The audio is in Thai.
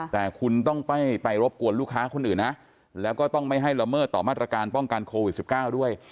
แต่คุณต้องไปรบกวนลูกค้าคนอื่นนะแล้วก็ต้องไม่ให้ละเมิดต่อมาตรการป้องกันโควิด๑๙ด้วย